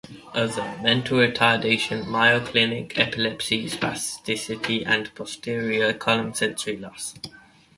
Other: Mental retardation, myoclonic epilepsy, spasticity, and posterior column sensory loss.